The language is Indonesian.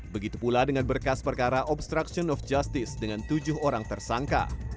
begitu pula dengan berkas perkara obstruction of justice dengan tujuh orang tersangka